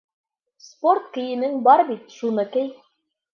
Спорт кейемең бар бит, шуны кей.